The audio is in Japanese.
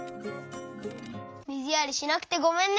みずやりしなくてごめんね！